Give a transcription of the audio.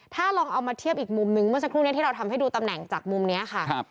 ถ้าลองเอามาเทียบอีกมุมนึงเมื่อสักครู่นี้ที่เราทำให้ดูตำแหน่งจากมุมนี้ค่ะ